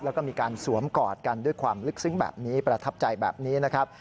แล้วก็มีการสวมกอดกันด้วยความลึกซึ้งแบบนี้ประทับใจแบบนี้นะครับ